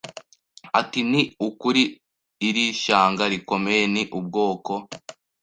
ati Ni ukuri iri shyanga rikomeye ni ubwoko